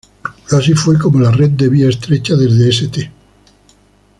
Así fue como la red de vía estrecha desde St.